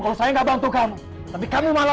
gak akan aku lepasin aku